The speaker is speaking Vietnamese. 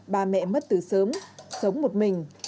ba mẹ mất từ sớm sống một mình